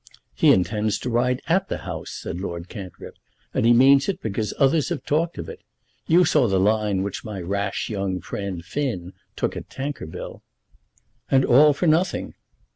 "He intends to ride at the house," said Lord Cantrip; "and he means it because others have talked of it. You saw the line which my rash young friend Finn took at Tankerville." "And all for nothing."